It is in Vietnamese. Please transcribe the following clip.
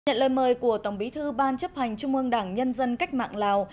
nhận lời mời của tổng bí thư ban chấp hành trung ương đảng nhân dân cách mạng lào